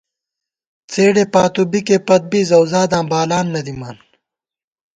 څېڈے پاتُو بِکے پت بی زَؤزاداں بالان نہ دِمان